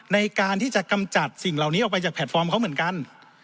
ในการที่จะกำจัดสิ่งเหล่านี้ออกไปจากแพลตฟอร์มเขาเหมือนกัน